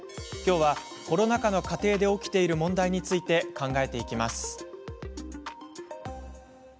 きょうは、コロナ禍の家庭で起きている問題について考えていきます。